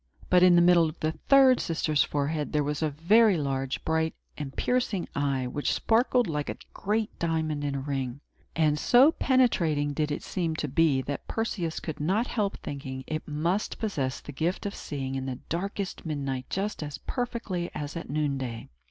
But, in the middle of the third sister's forehead, there was a very large, bright, and piercing eye, which sparkled like a great diamond in a ring; and so penetrating did it seem to be, that Perseus could not help thinking it must possess the gift of seeing in the darkest midnight just as perfectly as at noonday.